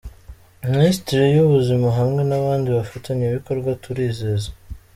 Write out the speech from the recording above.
Minisitiri y’ubuzima hamwe n’abandi bafatanyabikorwa. Turizeza